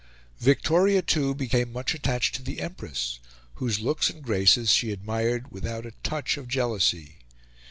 '" Victoria, too, became much attached to the Empress, whose looks and graces she admired without a touch of jealousy.